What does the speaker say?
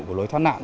của lối thoát nạn